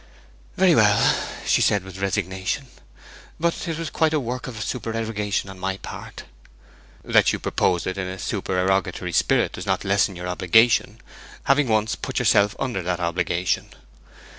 'Very well,' she said, with resignation. 'But it was quite a work of supererogation on my part.' 'That you proposed it in a supererogatory spirit does not lessen your obligation, having once put yourself under that obligation.